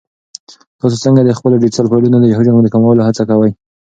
تاسو څنګه د خپلو ډیجیټل فایلونو د حجم د کمولو هڅه کوئ؟